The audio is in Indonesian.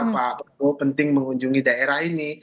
pak prabowo penting mengunjungi daerah ini